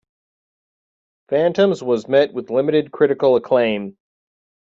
"Phantoms" was met with limited critical acclaim.